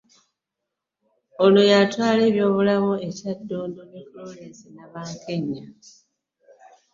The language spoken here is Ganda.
Ono y'atwala ebyobulamu e Kyaddondo ne Florence Nabakenya